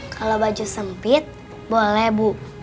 kalau baju sempit boleh bu